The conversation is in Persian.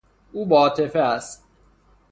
او با عاطفه است.